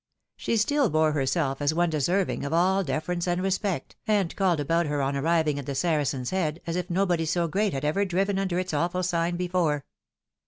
She still bore herself as one deserving of all deference and respect, and called about her on arriving at the Saracen's Head, as if nobody so great had ever driven under its awful sign before.